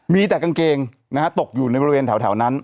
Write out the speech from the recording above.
มีแต่กางเกงตกอยู่ในบริเวณแถวนั้น